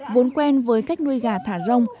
vốn quen với cách nuôi gà thả rong